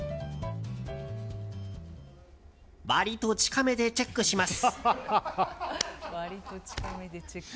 割と近めでチェックします。